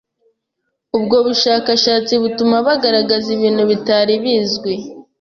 Ubwo bushakashatsi butuma bagaragaza ibintu bitari bizwi